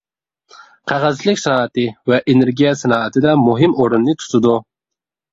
قەغەزچىلىك سانائىتى ۋە ئېنېرگىيە سانائىتىدە مۇھىم ئورۇننى تۇتىدۇ.